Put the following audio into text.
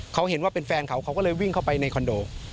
เขาเห็นว่าเป็นแฟนเขาเขาก็เลยวิ่งเข้าไปในคอนโด